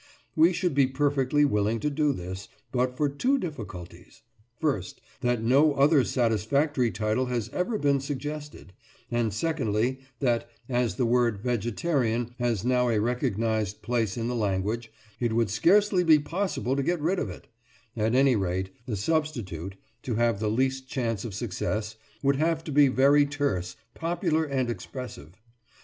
We should be perfectly willing to do this, but for two difficulties: first, that no other satisfactory title has ever been suggested, and secondly that, as the word "vegetarian" has now a recognised place in the language, it would scarcely be possible to get rid of it; at any rate, the substitute, to have the least chance of success, would have to be very terse, popular, and expressive.